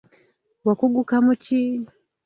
Wakuguka mu ki?